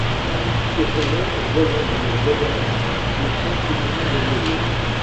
Ce sommet est voisin du mont Gower, le point culminant de l'île.